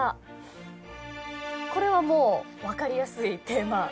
これはもう分かりやすいテーマ。